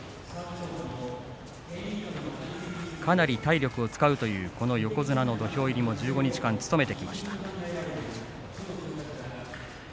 かなり体力を使うという横綱の土俵入りを１５日間、務めてきました。